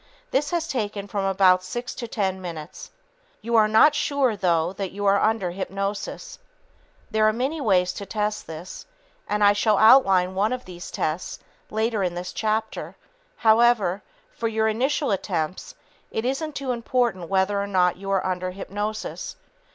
This has taken from about six to ten minutes. You are not sure, though, that you are under hypnosis. There are many ways to test this, and I shall outline one of these tests later in this chapter; however, for your initial attempts, it isn't too important whether or not you are under hypnosis.